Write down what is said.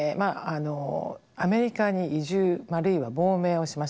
アメリカに移住あるいは亡命をしました。